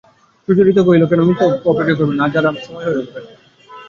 সুচরিতা কহিল, কেন মিথ্যা অপেক্ষা করবেন, আজ আর সময় হয়ে উঠবে না।